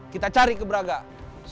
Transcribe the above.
kita cari keberagaman